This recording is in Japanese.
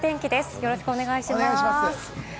よろしくお願いします。